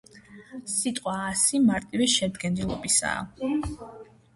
სიტყვა „ასი“ მარტივი შედგენილობისაა.